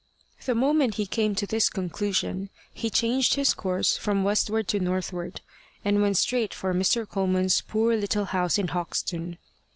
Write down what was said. The moment he came to this conclusion, he changed his course from westward to northward, and went straight for Mr. Coleman's poor little house in Hoxton.